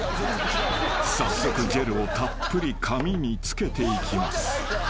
［早速ジェルをたっぷり髪につけていきます］